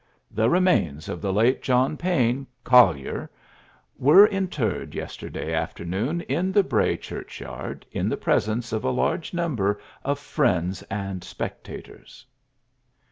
The remains of the late John Payne, collier, were interred yesterday afternoon in the Bray churchyard in the presence of a large number of friends and spectators."